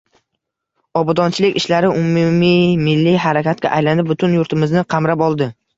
Obodonchilik ishlari umummilliy harakatga aylanib, butun yurtimizni qamrab oldi.